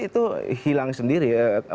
itu hilang sendiri